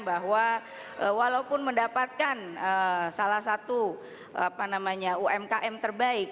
bahwa walaupun mendapatkan salah satu umkm terbaik